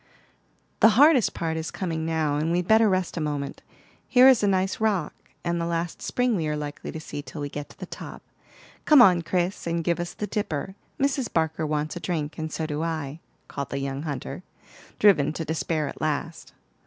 "The hardest part is coming now, and we'd better rest a moment. Here's a nice rock, and the last spring we are likely to see till we get to the top. Come on, Chris, and give us the dipper. Mrs. Barker wants a drink, and so do I," called the young hunter, driven to despair at last.